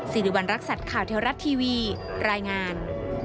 สิริวัณรักษัตริย์ข่าวเทวรัฐทีวีรายงาน